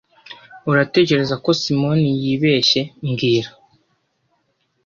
Uratekereza ko Simoni yibeshye mbwira